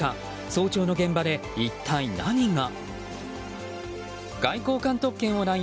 早朝の現場で一体何が。